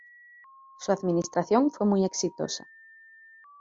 Su administración fue muy exitosa.